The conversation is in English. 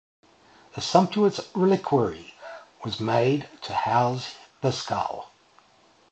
A sumptuous reliquary was made to house the skull.